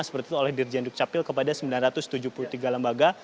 seperti itu oleh dirjen dukcapil kepada sembilan ratus tujuh puluh tiga lembaga